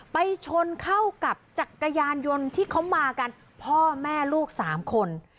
ไปชนเข้ากับจักรยานยนต์ที่เขามากันพ่อแม่ลูกสามคน